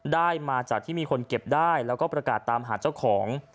ได้มาจากที่มีคนเก็บได้แล้วก็ประกาศตามหาเจ้าของ